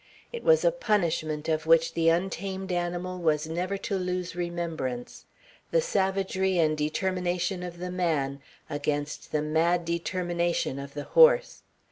It was a punishment of which the untamed animal was never to lose remembrance. The savagery and determination of the man against the mad determination of the horse.